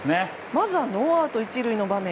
まずはノーアウト１塁の場面。